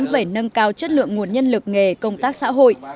về nâng cao chất lượng nguồn nhân lực nghề công tác xã hội